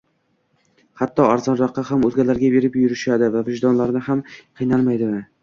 hatto arzonroqqa ham o'zgalarga berib yurishadi va vijdonlari ham qiynalmaydi.